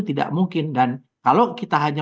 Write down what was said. tidak mungkin dan kalau kita hanya